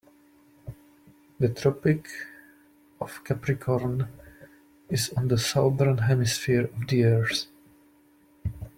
The Tropic of Capricorn is on the Southern Hemisphere of the earth.